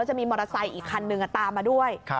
จะมีมอเตอร์ไซค์อีกคันนึงตามมาด้วย